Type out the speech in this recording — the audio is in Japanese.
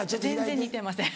全然似てません。